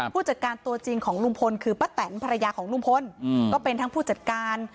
ผู้จัดการตัวจริงของลุงพลคือป้าแตนภรรยาของลุงพลก็เป็นทั้งผู้จัดการ